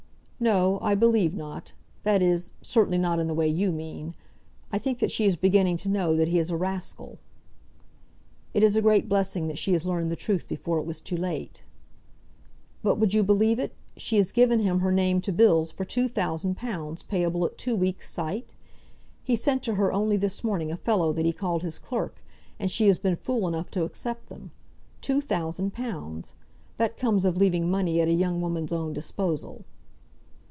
"No; I believe not; that is, certainly not in the way you mean. I think that she is beginning to know that he is a rascal." "It is a great blessing that she has learned the truth before it was too late." "But would you believe it; she has given him her name to bills for two thousand pounds, payable at two weeks' sight? He sent to her only this morning a fellow that he called his clerk, and she has been fool enough to accept them. Two thousand pounds! That comes of leaving money at a young woman's own disposal."